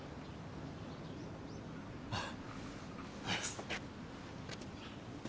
あっ。